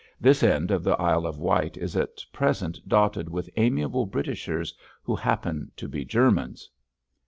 This end of the Isle of Wight is at present dotted with amiable Britishers who happen to be Germans!"